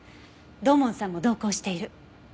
土門さんも同行している。